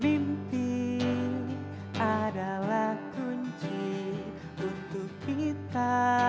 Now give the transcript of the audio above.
mimpi adalah kunci untuk kita